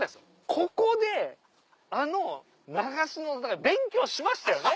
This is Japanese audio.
ここであの長篠の勉強しましたよね？